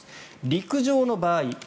陸上の場合